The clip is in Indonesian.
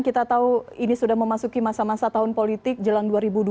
kita tahu ini sudah memasuki masa masa tahun politik jelang dua ribu dua puluh